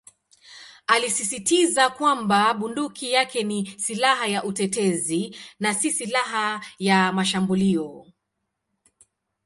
Alisisitiza kwamba bunduki yake ni "silaha ya utetezi" na "si silaha ya mashambulio".